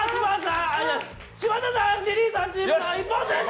柴田さん、リリーさんチームの一本先取。